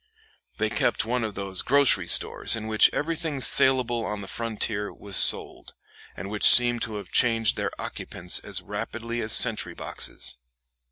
They kept one of those grocery stores in which everything salable on the frontier was sold, and which seem to have changed their occupants as rapidly as sentry boxes.